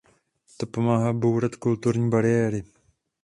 To pomáhá bourat kulturní bariéry.